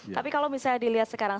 tapi kalau misalnya dilihat sekarang